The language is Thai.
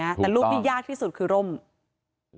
แล้วถ้าคุณชุวิตไม่ออกมาเป็นเรื่องกลุ่มมาเฟียร์จีน